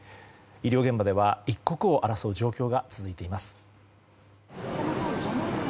医療現場では一刻を争う状況が続いています。